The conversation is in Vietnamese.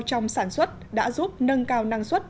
trong sản xuất đã giúp nâng cao năng suất